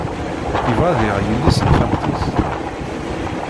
Yebɣa ad yaɣ yelli-s n xalti-s.